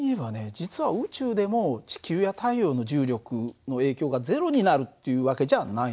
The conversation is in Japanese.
実は宇宙でも地球や太陽の重力の影響が０になるっていう訳じゃないんだよね。